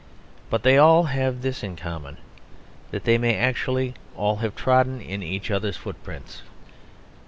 But they all have this in common, that they may actually all have trodden in each other's footprints.